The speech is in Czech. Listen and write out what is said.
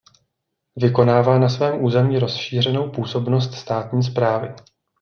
Vykonává na svém území rozšířenou působnost státní správy.